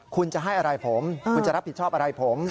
คุณจะให้อะไรผมคุณจะรับผิดชอบอะไรผม